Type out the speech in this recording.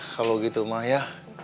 kalau gitu mah ya